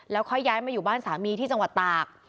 ค่อยย้ายมาอยู่บ้านสามีที่จังหวัดตาก